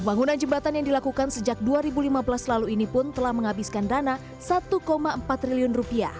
pembangunan jembatan yang dilakukan sejak dua ribu lima belas lalu ini pun telah menghabiskan dana rp satu empat triliun